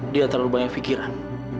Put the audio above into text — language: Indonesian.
dia terlalu banyak pikiran